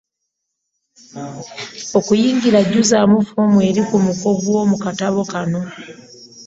Okuyingira jjuzaamu foomu eri ku muko ogwa mu katabo kano.